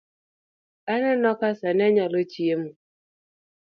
Aneno ka sani onyalo chiemo